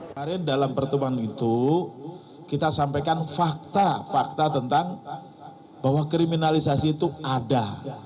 kemarin dalam pertemuan itu kita sampaikan fakta fakta tentang bahwa kriminalisasi itu ada